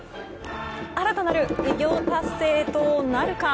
新たなる偉業達成へとなるか。